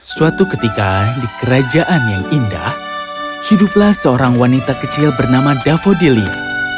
suatu ketika di kerajaan yang indah hiduplah seorang wanita kecil bernama davodilir